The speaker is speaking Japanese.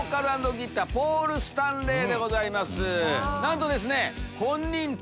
なんとですね。